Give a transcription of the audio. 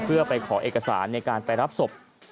เพื่อไปขอเอกสารในการไปรับศพ